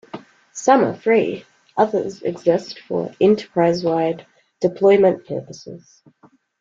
Some are free; others exist for enterprise-wide deployment purposes.